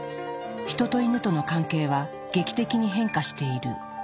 ヒトとイヌとの関係は劇的に変化している。